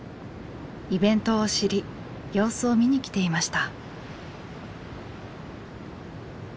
イベントを知り様子を見に来ていました。